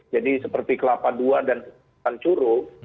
jadi seperti kelapa ii dan tanjuru